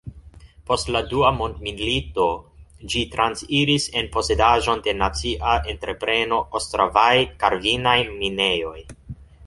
Post la dua mondmilito ĝi transiris en posedaĵon de nacia entrepreno Ostravaj-karvinaj minejoj.